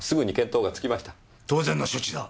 当然の処置だ。